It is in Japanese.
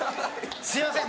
すいません